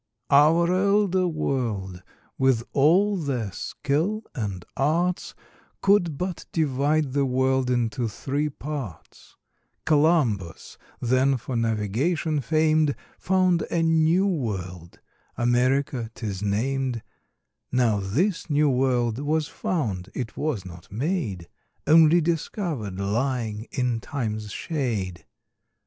Our Elder World, with all their Skill and Arts, Could but divide the World into three Parts: Columbus, then for Navigation fam'd, Found a new World, America 'tis nam'd; Now this new World was found, it was not made, Onely discovered, lying in Time's shade.